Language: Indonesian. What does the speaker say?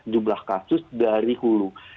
jumlah kasus dari hulu